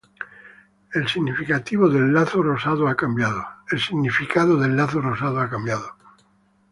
El significado del Lazo Rosado ha cambiado.